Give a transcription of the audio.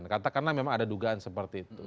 karena memang ada dugaan seperti itu